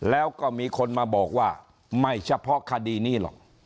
แล้วก็มีคนมาบอกว่าไม่เฉพาะคดีนี้หรอก